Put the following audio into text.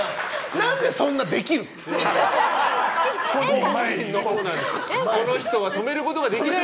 何でそんなできる？